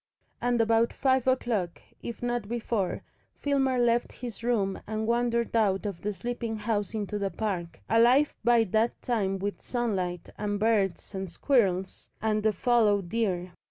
And about five o'clock, if not before, Filmer left his room and wandered out of the sleeping house into the park, alive by that time with sunlight and birds and squirrels and the fallow deer.